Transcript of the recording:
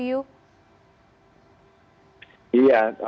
atau mungkin terjadi pada anda